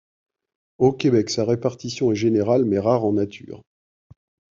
Au Québec, sa répartition est générale mais rare en nature.